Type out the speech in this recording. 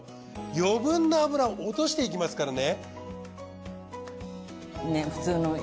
余分な油を落としていきますからね。